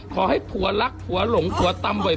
ขอให้ผัวรักผัวหลงผัวตำบ่อย